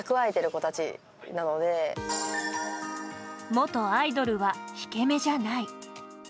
元アイドルは引け目じゃない。